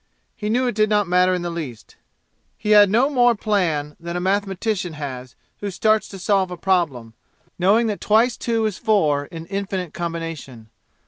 He knew it did not matter in the least. He had no more plan than a mathematician has who starts to solve a problem, knowing that twice two is four in infinite combination.